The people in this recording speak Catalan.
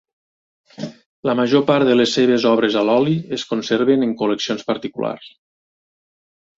La major part de les seues obres a l'oli es conserven en col·leccions particulars.